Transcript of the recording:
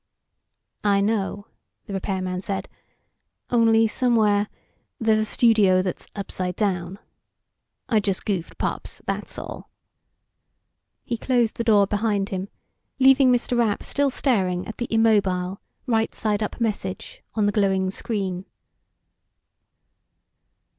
"I know," the repairman said. "Only somewhere ... there's a studio that's upside down. I just goofed, Pops, that's all." He closed the door behind him, leaving Mr. Rapp still staring at the immobile, right side up message on the glowing screen.